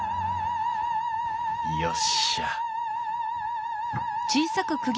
よっしゃあ